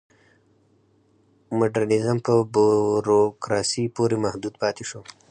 مډرنیزم په بوروکراسۍ پورې محدود پاتې شو.